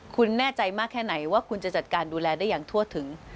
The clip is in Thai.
คุณแน่ใจมากแค่ไหนว่าคุณจะจัดการดูแลได้อย่างทั่วถึง